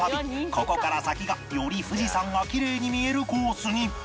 ここから先がより富士山がきれいに見えるコースに